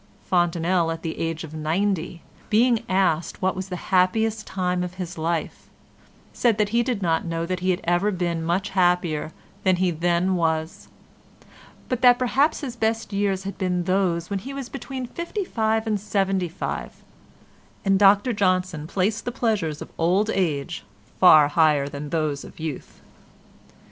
Fontenelle at the age of ninety, being asked what was the happiest time of his life, said he did not know that he had ever been much happier than he then was, but that perhaps his best years had been those when he was between fifty five and seventy five, and Dr Johnson placed the pleasures of old age far higher than those of youth.